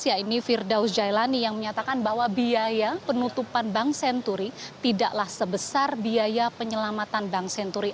ya ini firdaus jailani yang menyatakan bahwa biaya penutupan bank senturi tidaklah sebesar biaya penyelamatan bank senturi